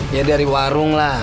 ya dari warung lah